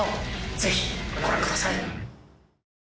ぜひご覧ください！